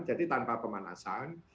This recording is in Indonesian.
jadi tanpa pemanasan